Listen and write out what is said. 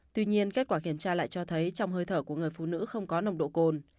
tuy nhiên kết quả kiểm tra lại cho thấy trong hơi thở của người phụ nữ không có nồng độ cồn